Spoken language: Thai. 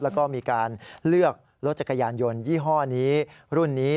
แล้วก็มีการเลือกรถจักรยานยนต์ยี่ห้อนี้รุ่นนี้